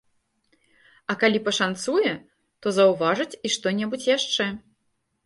А калі пашанцуе, то заўважыць і што-небудзь яшчэ.